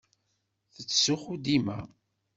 Yettzuxxu dima.